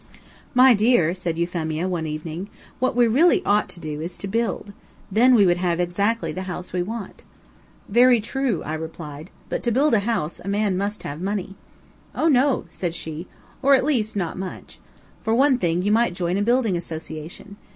"My dear," said Euphemia, one evening, "what we really ought to do is to build. Then we would have exactly the house we want." "Very true," I replied; "but to build a house, a man must have money." "Oh no!" said she, "or at least not much. For one thing, you might join a building association.